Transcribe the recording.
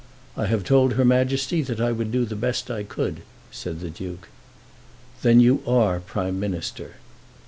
"I have told her Majesty that I would do the best I could," said the Duke. "Then you are Prime Minister."